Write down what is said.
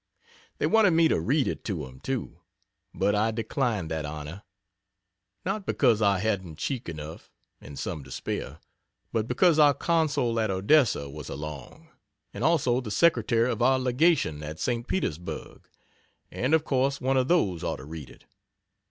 They wanted me to read it to him, too, but I declined that honor not because I hadn't cheek enough (and some to spare,) but because our Consul at Odessa was along, and also the Secretary of our Legation at St. Petersburgh, and of course one of those ought to read it.